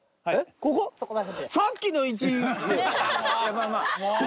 まあまあ。